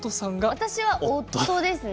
私は夫ですね。